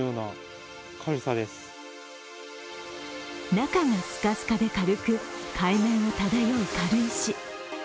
中がスカスカで軽く海面を漂う軽石。